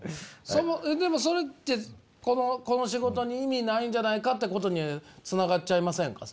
そのでもそれってこの仕事に意味ないんじゃないかってことにつながっちゃいませんか？